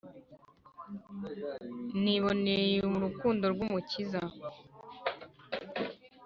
Niboney' urukundo rw'Umukiza,